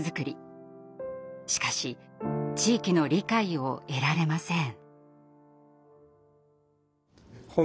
しかし地域の理解を得られません。